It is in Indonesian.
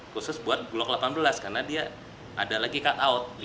khusus buat glock delapan belas karena dia ada lagi cut out